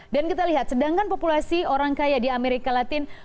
dan kita lihat sedangkan populasi orang kaya di amerika latin